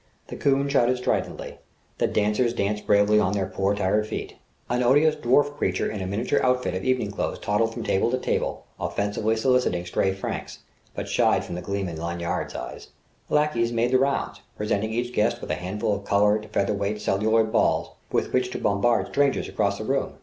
The coon shouted stridently. The dancers danced bravely on their poor, tired feet. An odious dwarf creature in a miniature outfit of evening clothes toddled from table to table, offensively soliciting stray francs but shied from the gleam in Lanyard's eyes. Lackeys made the rounds, presenting each guest with a handful of coloured, feather weight celluloid balls, with which to bombard strangers across the room.